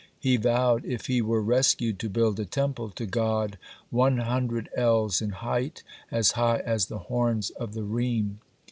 He vowed, if he were rescued, to build a temple to God one hundred ells in height, as high as the horns of the reem.